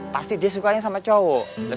pasti dia sukanya sama cowok